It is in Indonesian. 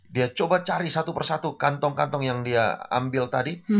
dia coba cari satu persatu kantong kantong yang dia ambil tadi